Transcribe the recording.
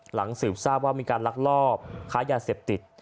หลังสืบทราบว่ามีการลักลอบค้ายาเสพติด